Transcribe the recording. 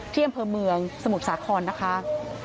เที่ยงเพิ่มเมืองสมุทรสาขรนะคะ